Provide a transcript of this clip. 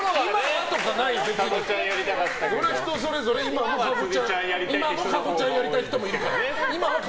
それは人それぞれ今も加護ちゃんやりたい人もいるから！